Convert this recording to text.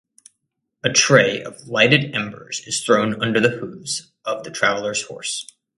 A tray of lighted embers is thrown under the hooves of the traveler’s horse.